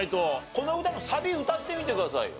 この歌のサビ歌ってみてくださいよ。